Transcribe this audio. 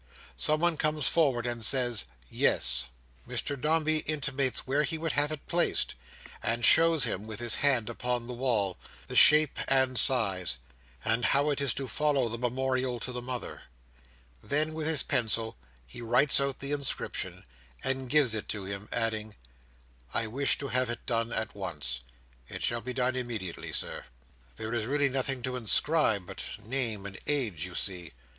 Someone comes forward, and says "Yes." Mr Dombey intimates where he would have it placed; and shows him, with his hand upon the wall, the shape and size; and how it is to follow the memorial to the mother. Then, with his pencil, he writes out the inscription, and gives it to him: adding, "I wish to have it done at once. "It shall be done immediately, Sir." "There is really nothing to inscribe but name and age, you see."